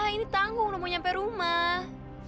ini tanggung udah mau nyampe rumah